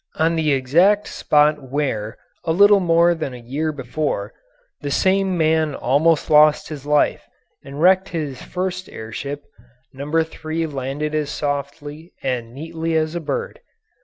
On the exact spot where, a little more than a year before, the same man almost lost his life and wrecked his first air ship, No. 3 landed as softly and neatly as a bird.